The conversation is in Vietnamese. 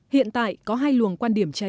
hiện tại có hai luồng quan điểm trên